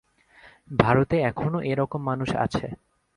ভারতে এখনও এ-রকম মানুষ আছে।